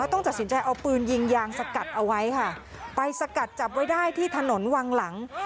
ต้องตัดสินใจเอาปืนยิงยางสกัดเอาไว้ค่ะไปสกัดจับไว้ได้ที่ถนนวังหลัง